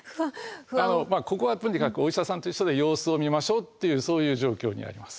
ここはとにかくお医者さんと一緒で様子を見ましょうっていうそういう状況にあります。